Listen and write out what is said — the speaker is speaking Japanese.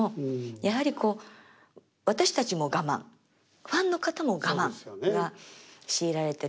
やはりこう私たちも我慢ファンの方も我慢が強いられてる。